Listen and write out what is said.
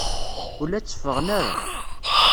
Ur la tteffɣen ara.